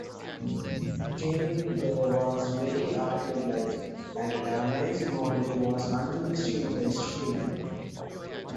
Gameplay was very arcade-like, and damage modelling was unrealistic in the extreme.